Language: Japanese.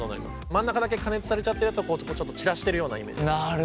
真ん中だけ加熱されちゃってるやつをこうちょっと散らしてるようなイメージです。